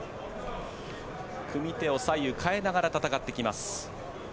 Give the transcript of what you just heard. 組み手を左右変えながら戦ってきます。